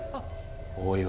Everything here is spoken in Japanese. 大岩。